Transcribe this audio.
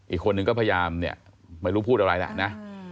อีกคนนึงก็พยายามเนี่ยไม่รู้พูดอะไรแล้วนะ